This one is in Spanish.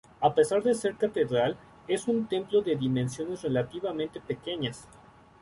A pesar de ser catedral, es un templo de dimensiones relativamente pequeñas.